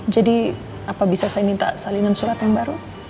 jadi apa bisa saya minta salinan surat yang baru